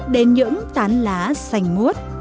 đến những tán lá xanh ngút